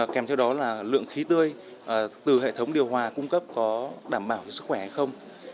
kèm theo đó là lượng khí tươi từ hệ thống điều hòa cung cấp có đảm bảo sức khỏe hay không